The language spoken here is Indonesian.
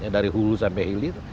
dari hulu sampai hili